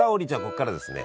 こっからですね